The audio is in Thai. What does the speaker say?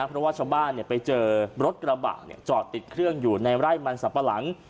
ตัวช้อบ้านเนี่ยไปเจอรถกระบะติดเครื่องอยู่ในไร่มันสับปะหลัง